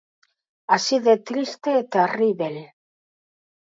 Así de triste e terríbel.